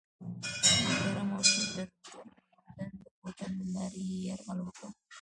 د کرم او شترګردن د کوتل له لارې یې یرغل وکړ.